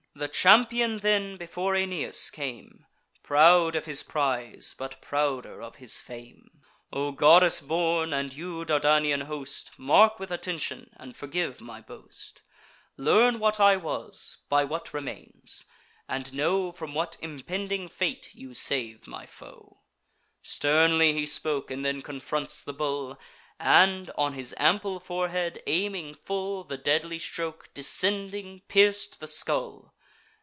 The champion, then, before Aeneas came, Proud of his prize, but prouder of his fame: "O goddess born, and you, Dardanian host, Mark with attention, and forgive my boast; Learn what I was, by what remains; and know From what impending fate you sav'd my foe." Sternly he spoke, and then confronts the bull; And, on his ample forehead aiming full, The deadly stroke, descending, pierc'd the skull.